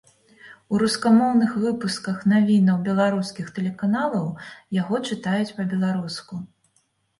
У рускамоўных выпусках навінаў беларускіх тэлеканалаў яго чытаюць па-беларуску.